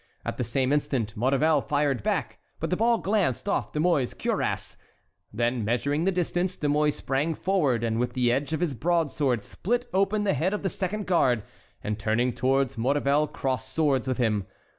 At the same instant Maurevel fired back, but the ball glanced off De Mouy's cuirass. Then, measuring the distance, De Mouy sprang forward and with the edge of his broadsword split open the head of the second guard, and turning towards Maurevel crossed swords with him.